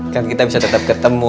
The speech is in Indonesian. kan kita bisa tetap ketemu